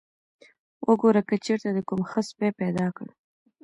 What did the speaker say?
وګوره که چېرته دې کوم ښه سپی پیدا کړ.